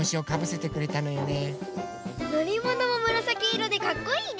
のりものもむらさきいろでかっこいいね。